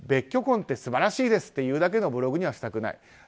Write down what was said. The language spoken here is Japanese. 別居婚って素晴らしいですっていうだけのブログにはしたくない。